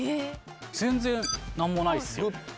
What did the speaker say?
全然、何もないですよ。